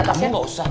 kamu gak usah